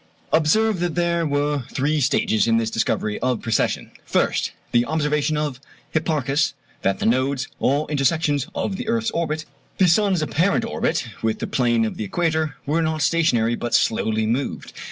Observe that there were three stages in this discovery of precession: First, the observation by Hipparchus, that the nodes, or intersections of the earth's orbit (the sun's apparent orbit) with the plane of the equator, were not stationary, but slowly moved.